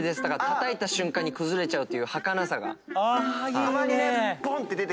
だからたたいた瞬間に崩れちゃうというはかなさが。